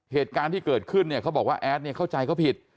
เหตุการณ์ที่เกิดขึ้นเนี่ยเขาบอกว่าแอดเนี่ยเข้าใจเขาผิด